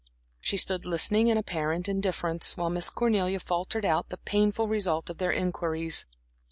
She stood listening in apparent indifference, while Miss Cornelia faltered out the painful result of their inquiries.